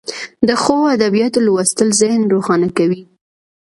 د ښو ادبیاتو لوستل ذهن روښانه کوي.